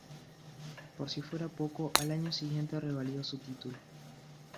Por si fuera poco, al año siguiente revalidó su título.